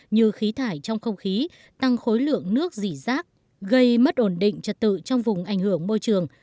như khí thải trong không khí tăng khối lượng nước dỉ rác gây mất ổn định trật tự trong vùng ảnh hưởng môi trường